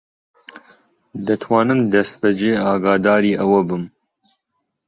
دەتوانم دەستبەجێ ئاگاداری ئەوە بم.